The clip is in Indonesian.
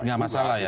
tidak masalah ya